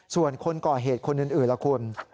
ส่วนคนก่อเหตุคนอื่นล่ะคุณ